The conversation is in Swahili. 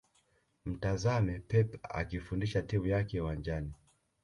mtazame Pep akifundisha timu yake uwanjani